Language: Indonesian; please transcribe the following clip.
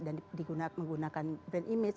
dan digunakan menggunakan brand image